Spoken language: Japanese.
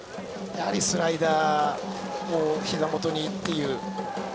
やはりスライダーをひざ元にという。